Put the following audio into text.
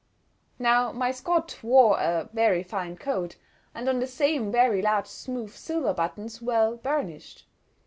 Now my Scot wore a very fine coat, and on the same very large smooth silver buttons, well burnished.